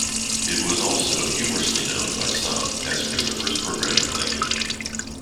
It was also humorously known, by some, as Christopher's Programming Language.